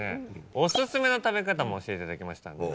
オススメの食べ方も教えていただきましたんで。